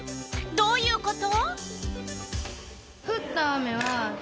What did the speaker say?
どういうこと？